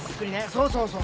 そうそうそう。